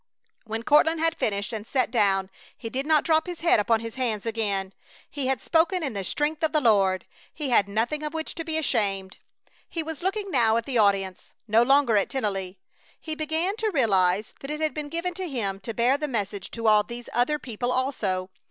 When Courtland had finished and sat down he did not drop his head upon his hands again. He had spoken in the strength of the Lord. He had nothing of which to be ashamed. He was looking now at the audience, no longer at Tennelly. He began to realize that it had been given to him to bear the message to all these other people also.